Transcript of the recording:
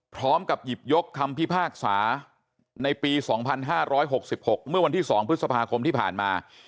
พร้อมกับหยิบยกคำพิพากษาในปี๒๕๖๖เมื่อวันที่๒พฤษภาคมที่ผ่านมา